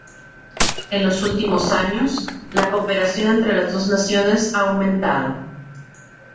En los últimos años, la cooperación entre las dos naciones ha aumentado.